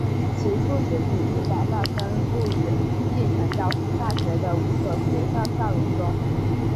其复制品亦广泛分布于继承交通大学的五所学校校园中。